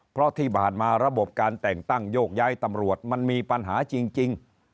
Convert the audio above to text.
เพราะที่ผ่านมาระบบการแต่งตั้งโยกย้ายตำรวจมันมีปัญหาจริง